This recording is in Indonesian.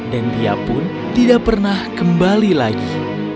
dia pun tidak pernah kembali lagi